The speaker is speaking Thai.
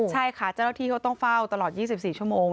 ใช่ค่ะเจ้าหน้าที่เขาต้องเฝ้าตลอด๒๔ชั่วโมง